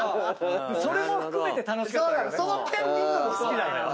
それも含めて楽しかったけどね。